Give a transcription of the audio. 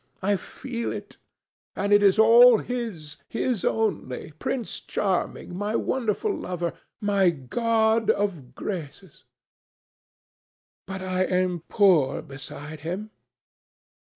I feel it. And it is all his, his only, Prince Charming, my wonderful lover, my god of graces. But I am poor beside him.